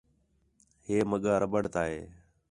ہے مڳا ربڑ تا ہے